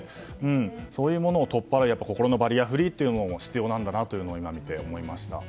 そういうものを取っ払うやっぱり心のバリアフリーも必要なんだなと今見て、思いました。